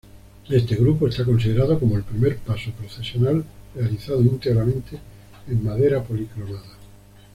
Este grupo está considerado como el primer paso procesional realizado íntegramente en madera policromada.